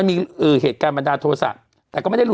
กรมป้องกันแล้วก็บรรเทาสาธารณภัยนะคะ